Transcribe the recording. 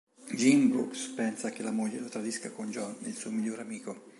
Jim Brooks pensa che la moglie lo tradisca con John, il suo migliore amico.